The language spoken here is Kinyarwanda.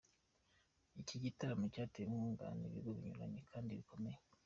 Iki gitaramo cyatewe inkunga n'ibigo binyuranye kandi bikomeye.